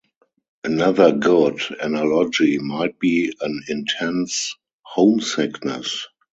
Another good analogy might be an intense homesickness.